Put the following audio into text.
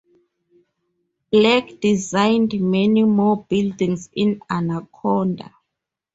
Black designed many more buildings in Anaconda.